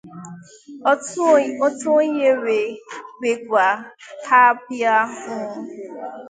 otu onye wee gwa ha bịa hụ m